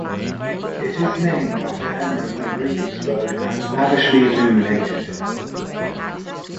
It is named after Emmeram of Regensburg and lavishly illuminated.